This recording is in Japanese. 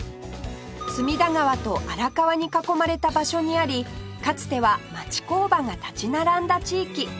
隅田川と荒川に囲まれた場所にありかつては町工場が立ち並んだ地域